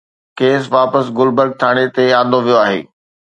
کيس واپس گلبرگ ٿاڻي تي آندو ويو آهي